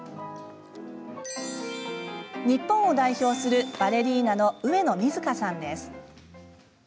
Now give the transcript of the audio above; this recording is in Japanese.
日本を代表するバレリーナの上野水香さんです。